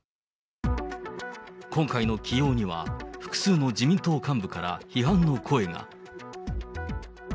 今回の起用には、複数の自民党幹部から批判の声が。